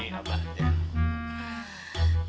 umi abah jangan